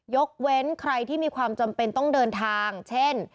ยกเว้นใครที่มีความจำเป็นต้องเดินทางเช่น